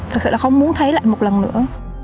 thực sự là không muốn thấy lại một lần nữa